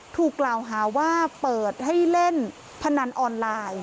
ถูกกล่าวหาว่าเปิดให้เล่นพนันออนไลน์